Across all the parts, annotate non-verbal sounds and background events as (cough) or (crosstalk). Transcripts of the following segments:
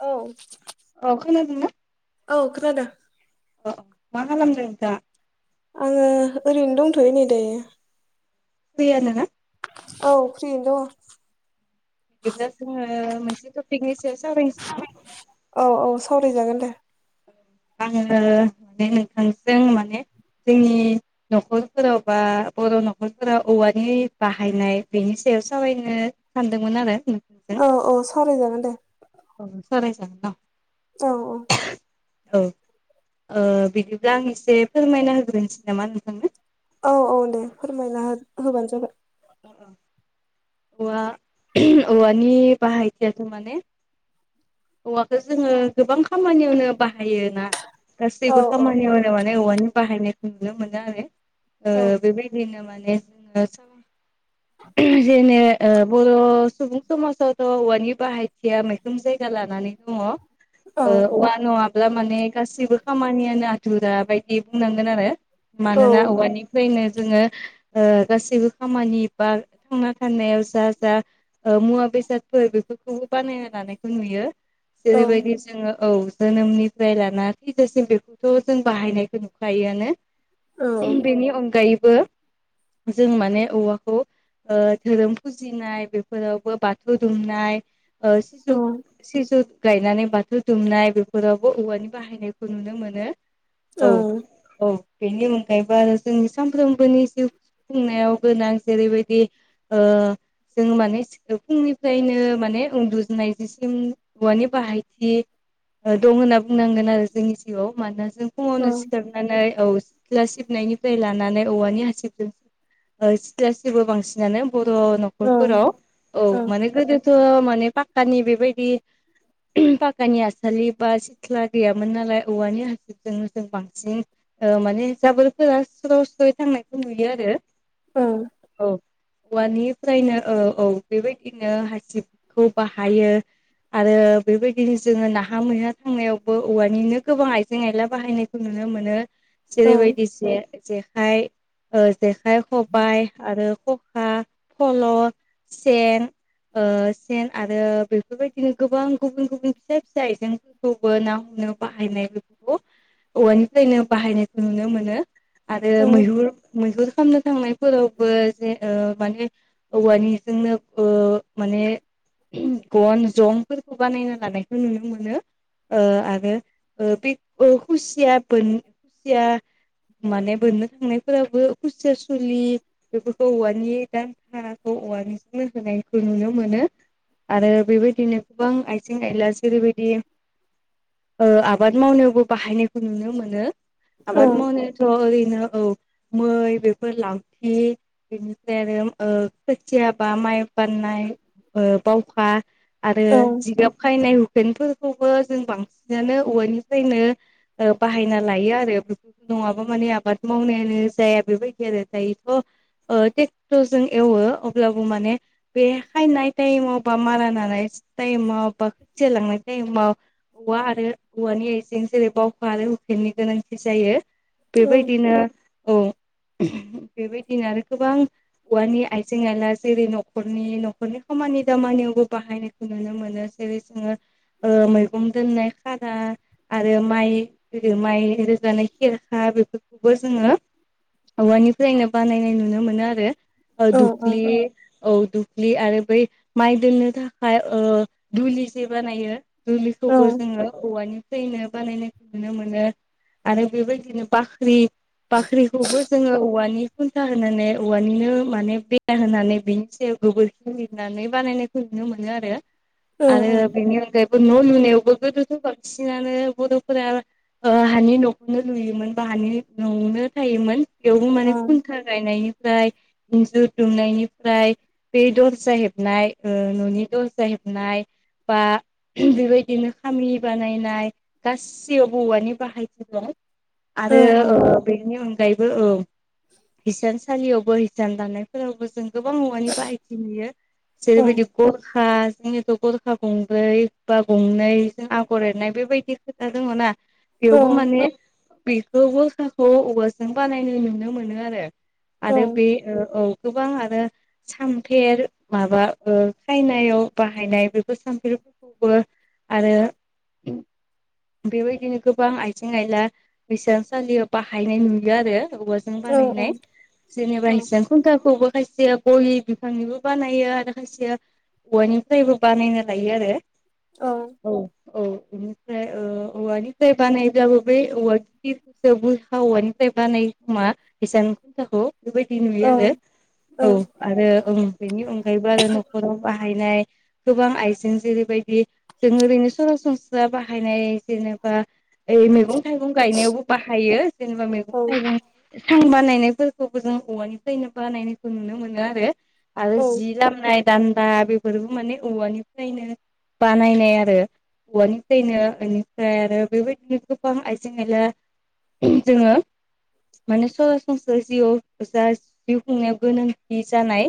औ औ खोनादोंना? औ खोनादों। अ औ मा खालामदों दा? आङो ओरैनो दंथ'यो नै दायो। फैयानो‌ ना। औ फ्रिनो दं। बिदिब्ला जोंङो मोनसेपिकनि सायाव सावरायनोस औ औ सावरायजागोन दे। औ। आंङो माने नोंथांजों माने जोंनि न'खरफोराव बा बर' न'खरफोराव औवानि बाहायनाय बेनि सायाव सावरायनो सानदोंमोन आरो नों औ औ सावरायजागोन दे। औ सावराय जागोन औ। औ औ औ ओ बिदिब्ला आं एसे फोरमायना होग्रोनोसै नामा नोंथांनो। औ औ दे फोरमायना हो होबानो जाबाय औ औवानि बाहायथियाथ' माने हौवाखौ जोंङो गोबां खामानियावनो बाहायो ना औ गासैबो औ खामानियावनो औवानि बाहायनायखौ नुनो मोनो आरो ओ औ बेबायदिनो माने जोंङो जेने ओ बर' सुबुं समाजाव थ' औवानि बाहायथिया मैखोम जायगा लानानै दङ औ औवा नङा अब्ला माने गासिबो खामानियानो आथुरा बायदि बुंनांगोन आरो औ मानोना औवानि नो जोंङो गासैबो खामानि बा थांना थानायाव जा जा ओं मुवा बेसादफोर बेफोरखौबो बानाय होनानै नुयो औ जेरैबायदि जोंङो औ जोनोमनि फाय लानानै जोसिम बेखौथ' जों बाहायनायखौ नुखायोआनो। औ बेनि अनगायैबो जों माने औवाखौ ओ धोरोम फुजिनाय बेफोरावबो बाथौ दुमनाय औ सिजु सिजौ गायनानै बाथौ दुमनाय बेफोरावबो औवानि बाहायनायखौ नुनो मोनो। औ औ बेनि अनगायैबो आरो जोंनि सानफ्रोमबोनि जिउ हबोमनायावबो जेरैबायदि ओ जों माने फुंनिफ्रायनो माने उन्दुजनाय जिसिम औवानि बाहायथि दं होनना बुंनांगोन आरो जोंनि जिउआव मानोना जों औ फुङावनो सिखारनानै औ सिथ्ला सिबनायनिफ्राय लानानै औवानि हासिबजों सिथलासेबो बांसिनानो बर' न नखरफोराव औ औ माने गोदोथ' माने पाक्कानि बेबायदि फाखानि हसालि बा सिथ्ला गैयामोन नालाय औवानि हा जों बांसिन माने ओ जाबोरफोरा सोराव सै थांनायखौ नुयो आरो। औ। औ औवानिफ्रायनो औ औ बेबायदिनो हासिब बाहायो। आरो बेबायदिनो जोंङो नाहा मैहा थांनायावबो औवानिनो गोबां आइजें आयला बाहायनो नुनो मोनो। जेरैबायदि ज जेखाइ ओ जेखाइ खबाय आरो फो फल' सेन ओ सेन आरो बेफोरबायदिनो गोबां गुबुन गुबुन फिसा फिसा आइजों बो ना हमनो बाहायनाय बेफोरखौ औवानिफ्रायनो बाहायनायखौ नुनो मोनो। आरो मैहुर मैहुर खालामनो थांनायफोरावबो जे ओ माने औवानिजोंनो ओ माने गन जंफोरखौ बानायना लानायखौ नुनो मोनो। ओ आरो बे ओ खुसिया बोन खुसिया माने बोननो थांनायफोराबो खुसियया सुलि बेफोरखौ औवानि दा भाराखौ औवानि जनो होनायखौ नुनो मोनो। आरो बेबायदिनो गोबां आइथिं आयला। जेरैबायदि आबाद मावनायावबो बाहायनायखौ नुनो मोनो। आबाद मावनायथ' ओरैनो औ मै बेफोर लावथि बेनिपाय आरो खोथियाबा माय बाननाय ओ बावखा आरो जिगाब खायनाय पेन्टफोरखौबो जों बांसिनानो औवानिफ्रायनो बाहायना लायो आरो बे नङाबा माने आबाद मावनायानो जाया बेबायदि आरो दायोथ' ओ ट्रेक्टरजों एवो अब्लाबो माने बे खाननाय टाइमाव बा मारा होनानाय टाइमाव बा खथि लांनाय टाइमाव औवा आरो औवानि आइजें जेरै बावखा आरो हुफेननि गोनांथि जायो बेबायदिनो औ। बेबायदिनो आरो गोबां औवानि आइजें आइला जेरै न'खरनि न'खरनि खामानि दामानियावबो बाहायनायखौ नुनो मोनो जेरै जोङो मैगं दोननाय खादा आरो माइ माइ रोगानाय खेरखा बेफोरखौबो जोङो औवानिफ्रायनो बानायनाय नुनो मोनो आरो दुब्लि औ दुब्लि आरो बै माइ दोननो थाखाय दुलि जे बानायो। गुलिखौबो जोङो औवानिफ्रायनो बानायनो नुनो मोनो आरो बेबायदिनो बाख्रि बाख्रिखौबो जोङो औवानि खुन्था होनानै औवानिनो माने बेर होनानै बेनि सायाव गोबोरखि लिरनानै बानायनायखौ नुनो मोनो आरो आरो बेनि अनगायै न' लुनायावबो गोदोथ' बांसिनानो बर'फोरा हानि न'खौनो लुयोमोन बा हानि न'आवनो थायोमोन। बेवबो माने खुन्था गायनायनिफ्राय इन्जुर दुमनायनिफ्राय बे दरज हेब नाय न'नि दरजा हेबनाय बा बेबायदिनो खामि बानायनाय गासिबो औवानि बाहायथिग आरो बेदिनिगायबो औ हिसानसालियावबो हिसान दानानायफोरावबो जों गोबां मुवानि बाहायथि नुयो जेरैबायदि गरखा जोंथ' गरखा गंब्रै बा गंनैजों आगर एरनाय बेबायदि खोथा दङ ना? बेवबो माने बेखौबोखाखौ औवाजों बानायनाय नुनो मोनो आरो आरो बे औ गोबां आरो सामफेर। माबा खायनायाव बाहायनाय बेफोर सामफ्रिफोरखौबो आरो (inaudible) बेबायदिनो गोबां आइजें आयला बेसानसालियाव बाहायनाय नुयो आरो बनाय जेनेबा खुन्थाखौबो खायसेया गय बिफांनि बानायो आरो खायसे औवानिफ्रायबो बानायनो लायो आरो औ औ बेनिफ्राय औवानिफ्राय बानायब्लाबो बे औवा (unintelligible) बुरखा औवानिफ्राय बानाय खोमा हिसाननि खुन्थाखौ बेबायदि नुयो आरो औ आरो ओं बेनि अनगायैबो आरो न'खराव बाहायनाय गोबां आइजें जेरैबायदि जों ओरैनो सरासनस्रा बाहायनाय जेनेबा ओइ मैगं थाइगं गायनायावबो बाहायो जेनेबा औ औ मैगं औ थाइगं सां बानायनायफोरखौबो जों औवानिफ्रायनो बानायनायखौ नुनो मोनो आरो आरो औ जि लामनाय दान्दा बेफोरबो माने औवानिफ्रायनो बानायनाय आरो औवानिफ्रायनो बेनिफ्राय आरो बेबायदिनो गोबां आइजें आइला जोङो माने सरासनस्रा जिउआव जा जिउ खुंनायाव गोनांथि जानाय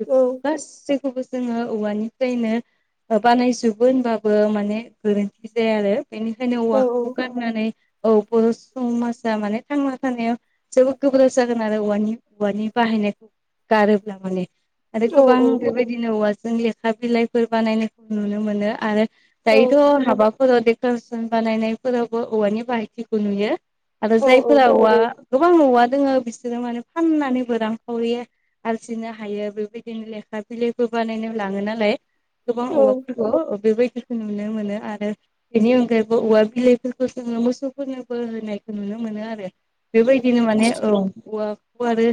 बेफोरखौ गासैखौबो जोङो औवानिफ्रायनो बानायजोबो होनबाबो माने गोरोन्थि जाया आरो बेनिखायनो औ औवाखौ गार थांनानै औ बर' समाजा माने थांना थानायाव जोबोद गोब्राब जागोन आरो औवानि औवानि बाहायनायखौ गारोब्ला माने आरो औ गोबां बेबायदिनो औवाजों लेखा बिलाइफोर बानायनायखौ नुनो मोनो आरो औ दायोथ' हाबाफोराव देक'रेसन बानायनायफोरावबो औवानि बाहायथिखौ नुयो आरो जायफोरा औवा गोबां न'वआ दङो बिसोरो माने फाननानैबो रांखावरि आरजिनो हायो बे बिदिनो लेखा बिलाइबो बानायनो लाङो नालाय गोबां औवा अ बेबायदिखौ नुनो मोनो आरो बेनि अनगायैबो औवा बिलाइफोरखौ जोङो मोसौफोरनोबो होनायखौ नुनो मोनो आरो बेबायदिनो माने औ औवाखौ आरो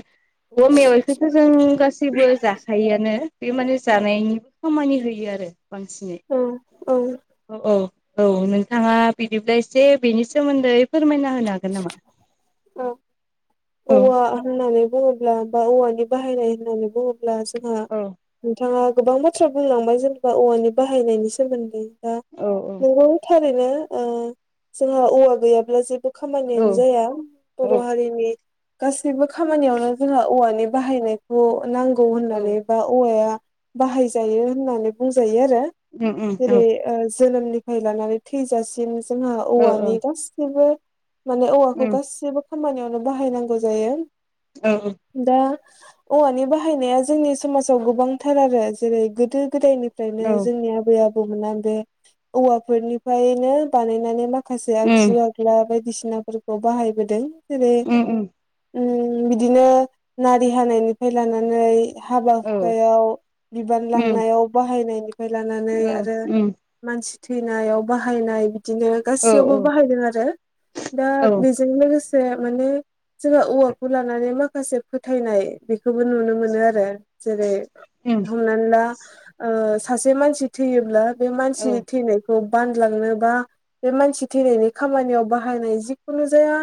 औवा मेवाइखौथ' जों गासैबो जाखायो। बे माने जानायनिबो खामानि होयो आरो बांसिनै औ औ औ औ औ नोंथाङा बिदिब्ला एसे बेनि सोमोन्दै फोरमायना लागोन नामा औ औवा होननानै बुङोब्ला बा औवानि बाहायनाय होननानै बुङोब्ला जोंहा औ नोंथाङा गोबां बाथ्रा बुंलांबाय जेनेबा औवानि बाहायनायनि सोमोन्दै दा औ नोंगौ थारैनो जोंहा औवा गैयाब्ला जेबो खामायनायानो औ जाया बर' हारिनि गासैबो खामानियावनो जोंहा औवानि बाहायनायखौ नांगौ होननानै बा औवाया बाहाय जायो होननानै बुंजायो आरो जेरै जोंनि बाहाय लानानै थैजासिम जोंहा औ औवानि गासिबो माने औ औवाखौ गासिबो खामानियावनो बाहायनांगौ जायो अ दा औवानि बाहायनाया जोंनि समाजाव गोबांथार आरो जेरै गोदो गोदायनि फ्रायनो जोंनि आबै आबौमोना बे औवाफोरनिफ्रायनो बानायनानै माखासे माखासे आगजु आगला बायदिसिनाफोरखौ बाहायबोदों जेरै उ उ बिदिनो नारि हानायनिफ्राय लानानै हाबा हुखायाव बिबान लांनायाव बाहायनायनिफ्राय लानानै आरो मानसि थैनायाव बाहायनाय बिदिनो गासैयावबो बाहायदों आरो दा बे जों लोगोसे माने जोंहा औवाखौ लानानै माखासे फोथायनाय बेखौबो नुनो मोनो आरो जेरै हमनानै ला सासे मानसि थैयोब्ला बे मानसि थैनायखौ खौ बानलांनो बा बे मानसि थैनायनि खामानियाव बाहायनाय जिखुनु जाया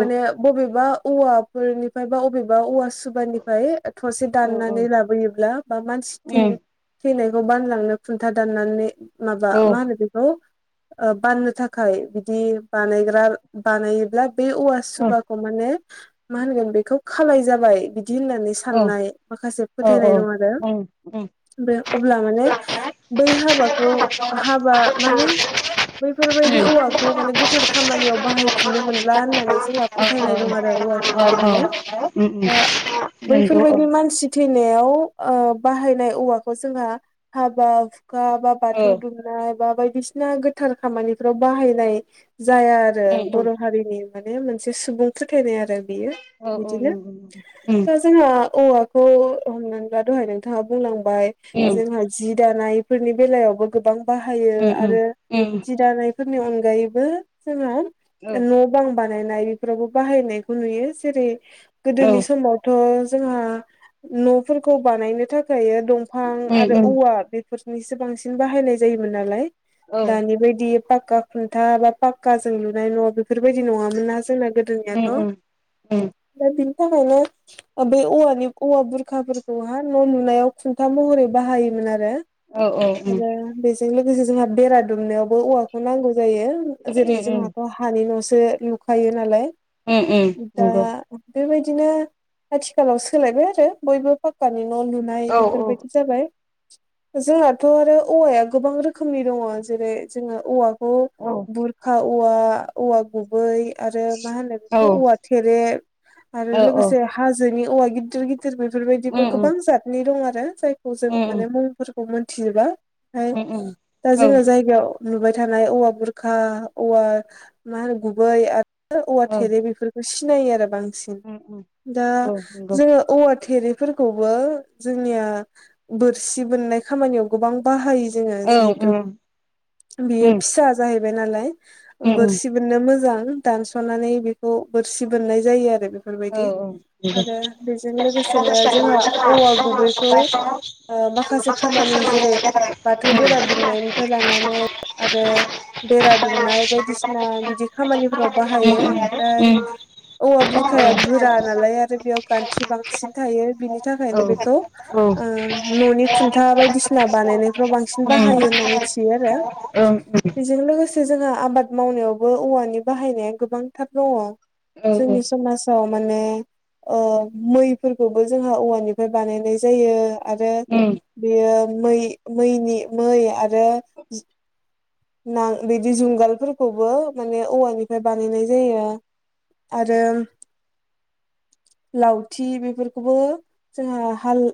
माने बबेबा औवाफोरनिफ्राय बा बबेबा औवा सुबनिफ्राय ओमफ्राय थसे दाननानै लाबोयोब्ला बा मानसि थै थैनायखौ बानलांनो खुन्था दाननानै औ माबा मा होनो बेखौ बाननो थाखाय बिदि बानायग्रा बानायोबब्ला बे औवा सुबा माने मा होनोन बेखौ खालाम जाबाय बिदि होननानै साननाय माखासे फोथायनाय दं आरो बे अब्ला माने बै हाबाखौ हाबा माने बै बेफोरबायदि औवाखौ माने गोथार खामानियाव बाहायफिननो मोनला होननानै जोंहा फोथायनाय दं आरो औवाखौ लानानै दा बैफोरबायदि मानसि फ थैनायाव बाहायनाय औवाखौ जोंहा हाबा हुखा बा बाथौ दुम बा बायदिसिना गोथार खामानिफ्राव बाहायनाय जाया आरो बर हारिनि माने मोनसे सुबुं फोथायनाय आरो बियो बिदिनो जोंहा औवाखौ हमनानैब्ला दहाय नोंथाङा बुंलांबाय जोंहा जि दानायफोरनि बेलायावबो गोबां बाहायो आरो जि दानाय फोरनि अनगायैबो जोंहा न' बां बानायनाय बो बाहायनायखौ नुयो जेरै गोदोनि समाव थ' जोंहा न'फोरखौ बानायनो थाखाय दंफां आरो औवा बे फोरनिसो बांसिन बाहायनाय जायोमोन नालाय दानि बायदि पाक्का खुन्था बा पाक्क जों लुनाय न' बेफोरबायदि नङामोन नहा जोंना गोदोनियाथ' दा बिनि थाखायनो बेै औवानि औवा बुरखाफोरखौह न' लुनायाव खुन्था महरै बाहायोमोन आरो आरो बेजों लोगोसे जोंहा बेरा दुमनायावबो औवाखौ नांगौ जायो जेरै जोंहाथ' हानि न'सो लुखायो नालाय दा बेबायदिनो आथिखालाव सोलायबाय आरो बयबो फाक्कानि न' लु नाय बेफोरबायदि जाबाय जोंहाथ' आरो औवाया गोबां रोखोमनि दङ जेरै जोङो औवाखौ औ बुरखा औवा औवा गुबै आरो मा होनो बेखौ औवा थेरे औ आरो औ लोगोसे हाजोनि औवा गिदिर गिदिर ग बेफोरबायदिबो उम उम गोबां जतनि दं आरो जायखौ जों माने मुंफोरखौ मोनथियोब्ला ओमाय उम उम दा औ जोङो जायगायाव नुबाय थानाय औवा बुरखा औवा मा होनो गुबै आरो औवा औ थेरे बेफोरखौ सिनायो आरो बांसिन उम दा औ नंगौ जोङो औवा थेरिफोरखौबो जोंनिया बोरसि बोननाय खामानियाव गोबां बाहायो जोङो औ उम जिहेथु उम बेयो उम फिसा जाहैबाय नालाय उम बोरसि बोननो मोजां दानस'नानै बेखौ बोरसि बोननाय जायो आरो बे औ औ बेफोरबायदि नंगौ औ आरो बेजों लोगोसेनो जोंहा औवा गुबैखौ माखासे खामानि जेरै बाथौ बेरा दुमनायनिफ्राय लानानै आरो बेरा दुमनाय बायदिसिना बिदि खामानिफोराव बाहायो ओमफ्राय औवा बुरखाया गोरा नालाय आरो बेयाव खान्थि बांसिन थायो बिनि बि थाखायनो बेखौ न'नि खुन्था बायदिसिना बानायनो ाव बांसिन उम बाहायो होननानै मिथियो आरो ओं उम बेजों लोगोसे से जोंहा आबाद मावनायावबो औवानि बाहायनाया गोबांथार दङ औ जोंनि समाज माने मैफोरखौबो जोंहा औवानिफ्राय बानायनाय जायो आरो उम बेयो मै मैनि मै आरो न बिदि जुंगालफोरखौबो माने औवानिफ्राय बानायनाय जायो आरो लावथि बेफोरखौबो जोंहा हाल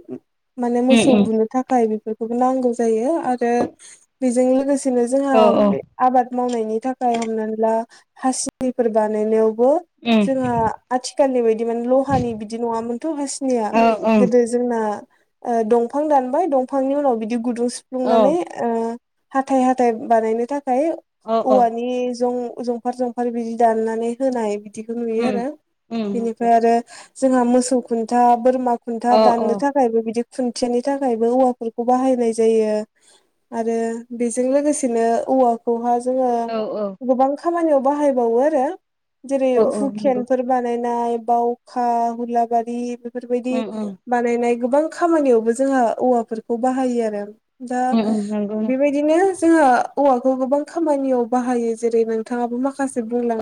माने उम मोसौ उम बुनो थाखाय बेफोरखौबो नांगौ जायो आरो बेजों लोगोसेनो जोंहा औ औ आबाद मावनायनि थाखाय हमनानै ला हासिफोर बानायनायावबो उम जोंहा आथिखालनि बायदि माने लहानि बिदि नङामोनथ' हासिनिया औ ओं गोदो जोंना दंफां दानबाय दंफांनि उनाव बिदि गुदुं सिफ्लुंनानै औ हाथथाय हाथथाय बानायनो थाखाय औ औ औवानि ज ज सफखार जंफ बिदि दाननानै होनाय बिदिखौ नुयो आरो उम उम बिनिफ्राय आरो जोंहा मोसौ खुन्था बोरमा खुन्था अ अ औ दाननो थाखाय थाखायबो बिदि खुन्थियानि थाखायबो औवाफोरखौ बाहायनाय जायो आरो जों लोगोसेनो औवाखौहा जोङो औ गोबां खामानियाव बाहायबावो आरो जेरै औ औ नंगौ हुकेनफोर बानायनाय बावखा हुलाबारि बेफोरबायदि उम उम बानायनाय गोबां खामानियावबो जोंहा औवाफोरखौ बाहायो आरो दा उम उम नंगौ बेबायदिनो जोंहा औवाखौ गोबां खामानियाव बाहायो जेरै नोंथाङाबो माखासे बुंलांो